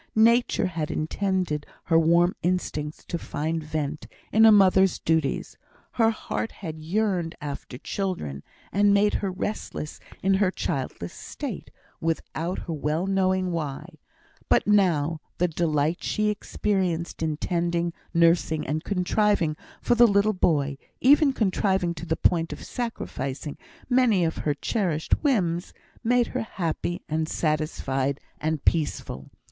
Nature had intended her warm instincts to find vent in a mother's duties; her heart had yearned after children, and made her restless in her childless state, without her well knowing why; but now, the delight she experienced in tending, nursing, and contriving for the little boy even contriving to the point of sacrificing many of her cherished whims made her happy and satisfied and peaceful.